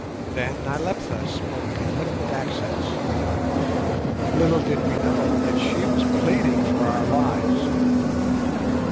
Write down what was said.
Then Nyleptha spoke in liquid accents. Little did we know that she was pleading for our lives.